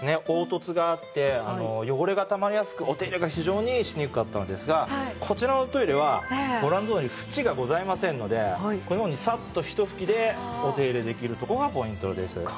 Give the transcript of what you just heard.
凹凸があって汚れがたまりやすくお手入れが非常にしにくかったんですがこちらのトイレはご覧のとおりフチがございませんのでこのようにサッとひと拭きでお手入れできるところがポイントです。